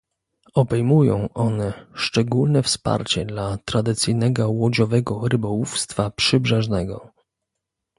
Obejmują one szczególne wsparcie dla tradycyjnego łodziowego rybołówstwa przybrzeżnego